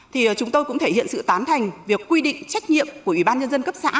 thì chúng tôi cũng thể hiện sự tán thành việc quy định trách nhiệm của ủy ban nhân dân cấp xã